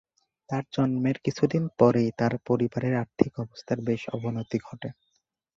তার জন্মের কিছুদিন পরেই তার পরিবারের আর্থিক অবস্থার বেশ অবনতি ঘটে।